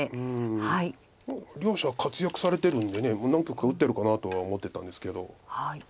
うん。両者活躍されてるんでもう何局か打ってるかなとは思ってたんですけど。